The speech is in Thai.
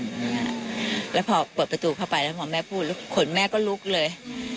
แล้วพอเปิดประตูเข้าไปแล้วพอแม่พูดขนแม่ก็ลุกเลย